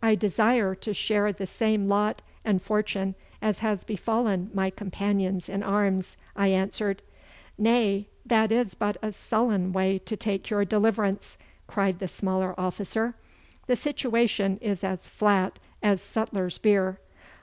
'I desire to share the same lot and fortune as has befallen my companions in arms,' I answered. 'Nay, that is but a sullen way to take your deliverance,' cried the smaller officer. 'The situation is as flat as sutler's beer.